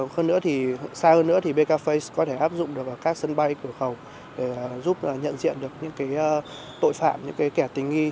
xa hơn nữa thì bkphi có thể áp dụng vào các sân bay cửa khẩu để giúp nhận diện được những tội phạm những kẻ tình nghi